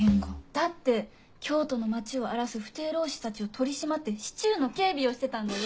だって京都の町を荒らす不逞浪士たちを取り締まって市中の警備をしてたんだよ？